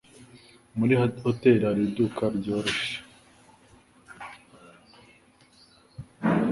Muri hoteri hari iduka ryogosha?